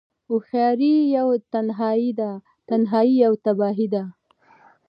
هوښياری يوه تنهايی ده، تنهايی يوه تباهی ده